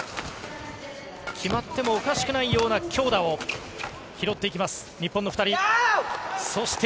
決まってもおかしくないような強打を拾っていきます、日本の２人。